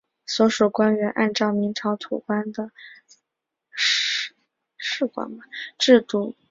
所属官员按照明朝土官的制度承袭。